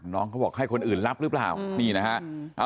น้องเขาบอกให้คนอื่นรับหรือเปล่านี่นะฮะ